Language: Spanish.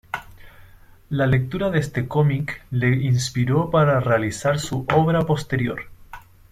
La lectura de este cómic le inspiró para realizar su obra posterior.